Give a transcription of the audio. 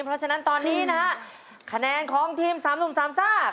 เพราะฉะนั้นตอนนี้นะครับคะแนนของทีม๓หนุ่ม๓ต้า